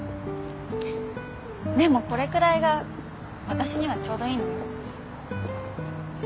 でもこれくらいが私にはちょうどいいのよ。